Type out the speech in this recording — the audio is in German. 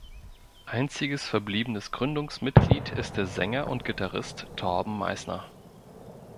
Einziges verbliebenes Gründungsmitglied ist der Sänger und Gitarrist Torben Meissner.